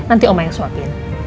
nanti oma yang suapin